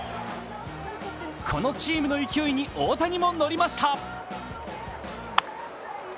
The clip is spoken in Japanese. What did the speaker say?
このチームの勢いに大谷も乗りました。